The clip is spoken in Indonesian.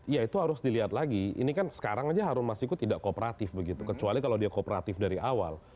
ya itu harus dilihat lagi ini kan sekarang aja harun masiku tidak kooperatif begitu kecuali kalau dia kooperatif dari awal